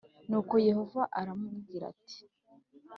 “Nuko Yehova arambwira ati ‘